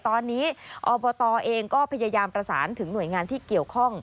ตอนนี้อบตเองก็พยายามประสานถึงหน่วยงานที่เกี่ยวข้อง